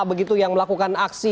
begitu yang melakukan aksi